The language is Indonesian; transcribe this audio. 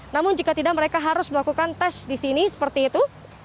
namun jika tidak mereka harus melakukan tes di sini seperti itu